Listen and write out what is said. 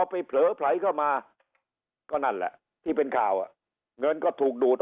ไปเผลอไผลเข้ามาก็นั่นแหละที่เป็นข่าวเงินก็ถูกดูด